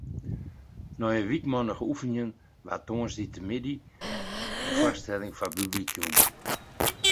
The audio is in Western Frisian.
Nei in wykmannich oefenjen waard tongersdeitemiddei in foarstelling foar publyk jûn.